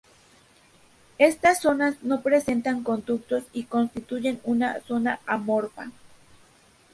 Estas zonas no presentan conductos y constituyen una zona amorfa.